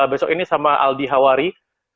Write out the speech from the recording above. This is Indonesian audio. besok ini sama aldi hawari